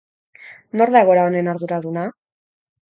Nor da egoera honen arduraduna?